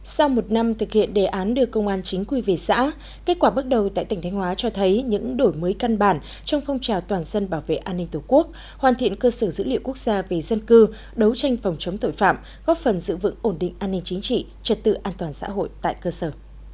sau một năm thực hiện đề án đưa công an chính quy về xã kết quả bước đầu tại tỉnh thanh hóa cho thấy những đổi mới căn bản trong phong trào toàn dân bảo vệ an ninh tổ quốc hoàn thiện cơ sở dữ liệu quốc gia về dân cư đấu tranh phòng chống tội phạm góp phần giữ vững ổn định an ninh chính trị trật tự an toàn xã hội tại cơ sở